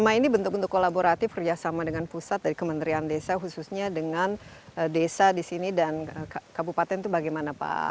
nah ini bentuk bentuk kolaboratif kerjasama dengan pusat dari kementerian desa khususnya dengan desa di sini dan kabupaten itu bagaimana pak